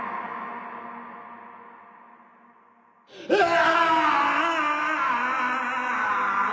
うわ！